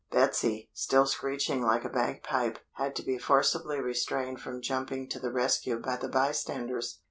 Betsy, still screeching like a bagpipe, had to be forcibly restrained from jumping to the rescue by the bystanders.